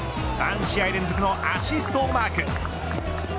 ３試合連続のアシストをマーク。